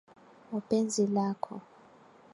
wa penzi lako